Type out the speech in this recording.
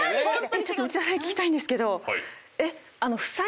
内田さんに聞きたいんですけど。